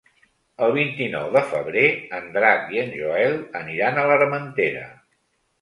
El vint-i-nou de febrer en Drac i en Joel aniran a l'Armentera.